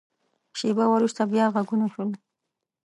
شیبه وروسته، بیا غږونه شول.